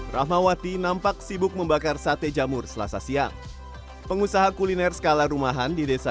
rahmawati nampak sibuk membakar sate jamur selasa siang pengusaha kuliner skala rumahan di desa